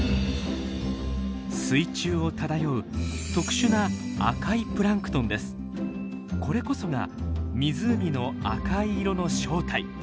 水中を漂う特殊なこれこそが湖の赤い色の正体。